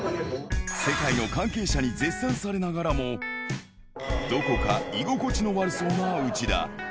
世界の関係者に絶賛されながらも、どこか居心地の悪そうな内田。